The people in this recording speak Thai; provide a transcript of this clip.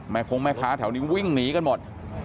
คงแม่ค้าแถวนี้วิ่งหนีกันหมด